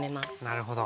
なるほど。